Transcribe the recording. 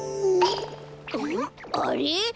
あれ？